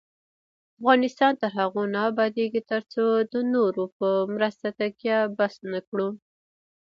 افغانستان تر هغو نه ابادیږي، ترڅو د نورو په مرستو تکیه بس نکړو.